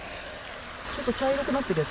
ちょっと茶色くなってるやつ？